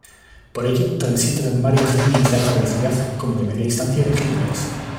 Por ella transitan varias líneas de alta velocidad, como de media distancia y regionales.